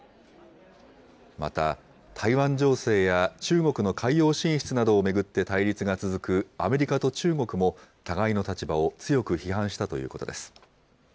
また、台湾情勢や中国の海洋進出などを巡って対立が続くアメリカと中国も、互いの立場を強く批判したということです。